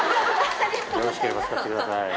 よろしければ使ってください。